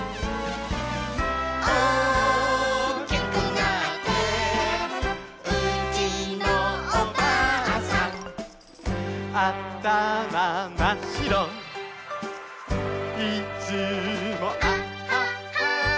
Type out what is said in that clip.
「おおきくなってうちのおばあさん」「あたままっしろ」「いつも」「あっはっは」